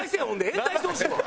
延滞してほしいわ。